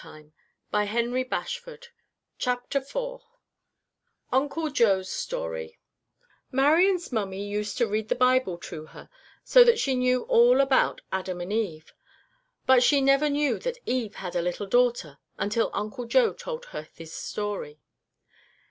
UNCLE JOE'S STORY [Illustration: Bella at Eden] IV UNCLE JOE'S STORY Marian's mummy used to read the Bible to her, so that she knew all about Adam and Eve; but she never knew that Eve had a little daughter until Uncle Joe told her this story.